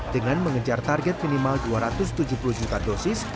dengan mengejar target minimal dua ratus tujuh puluh juta dosis